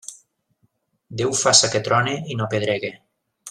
Déu faça que trone i no pedregue.